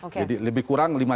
jadi lebih kurang